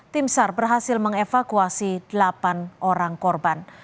tim sar berhasil mengevakuasi delapan orang korban